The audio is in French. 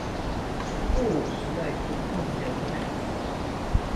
Oh ! cela est pourtant bien vrai.